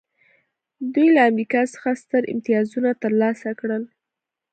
دوی له امریکا څخه ستر امتیازونه ترلاسه کړل